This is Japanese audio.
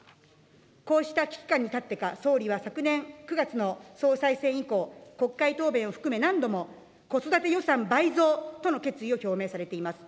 こうした危機感に立ってか、総理は昨年９月の総裁選以降、国会答弁を含め、何度も子育て予算倍増との決意を表明されています。